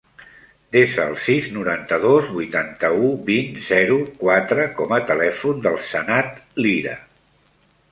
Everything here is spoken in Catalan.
Desa el sis, noranta-dos, vuitanta-u, vint, zero, quatre com a telèfon del Sanad Lira.